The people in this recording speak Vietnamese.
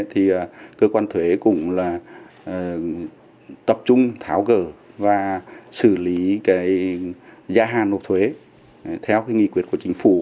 thì cơ quan thuế cũng tập trung tháo gỡ và xử lý gia hàn nộp thuế theo nghị quyết của chính phủ